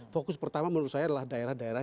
fokus pertama menurut saya adalah daerah daerah